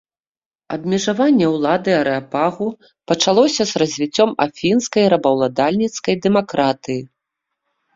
Абмежаванне ўлады арэапагу пачалося з развіццём афінскай рабаўладальніцкай дэмакратыі.